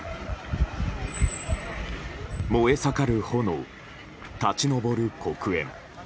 燃え盛る炎、立ち上る黒煙。